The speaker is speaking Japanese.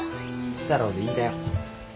吉太郎でいいだよ。